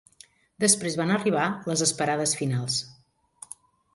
Després van arribar les esperades finals.